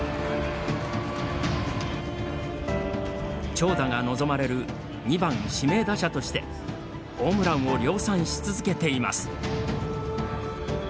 長打が望まれる２番・指名打者としてホームランを量産し続けています。